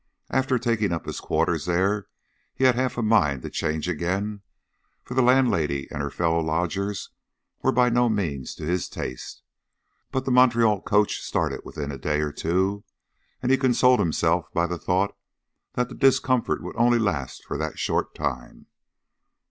After taking up his quarters there he had half a mind to change again, for the landlady and the fellow lodgers were by no means to his taste; but the Montreal coach started within a day or two, and he consoled himself by the thought that the discomfort would only last for that short time.